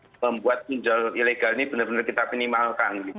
untuk membuat pinjol ilegal ini benar benar kita minimalkan